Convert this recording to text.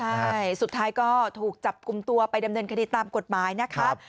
ใช่สุดท้ายก็ถูกจับกลุ่มตัวไปดำเนินคดีตามกฎหมายนะครับ